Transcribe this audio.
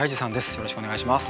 よろしくお願いします。